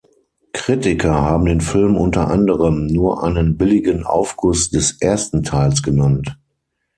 Kritiker haben den Film unter anderem „nur einen billigen Aufguss“ des ersten Teils genannt.